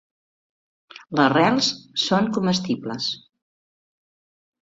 Les rels són comestibles.